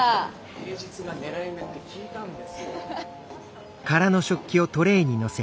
平日が狙い目って聞いたんですよ。